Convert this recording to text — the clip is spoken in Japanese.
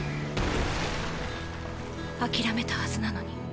諦めたはずなのに。